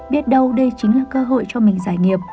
biết đâu đây chính là cơ hội cho mình giải nghiệp